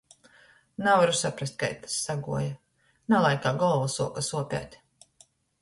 Navaru saprast, kai tys saguoja... Nalaikā golva suoka suopēt...